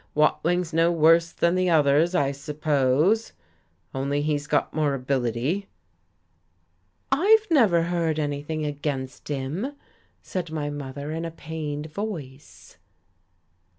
Watling's no worse than the others, I suppose, only he's got more ability." "I've never heard anything against him," said my mother in a pained voice.